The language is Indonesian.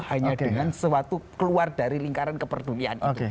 hanya dengan suatu keluar dari lingkaran keperdunian